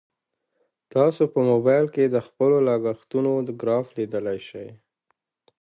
تاسو په موبایل کې د خپلو لګښتونو ګراف لیدلی شئ.